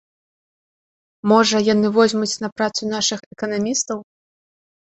Можа, яны возьмуць на працу нашых эканамістаў?